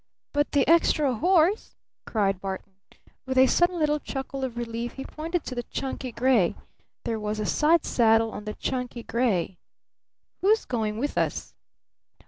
"But the extra horse?" cried Barton. With a sudden little chuckle of relief he pointed to the chunky gray. There was a side saddle on the chunky gray. "Who's going with us?"